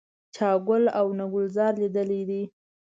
چا ګل او نه ګلزار لیدلی دی.